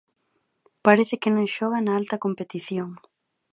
Parece que non xoga na alta competición.